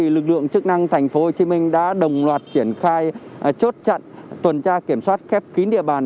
lực lượng chức năng tp hcm đã đồng loạt triển khai chốt chặn tuần tra kiểm soát khép kín địa bàn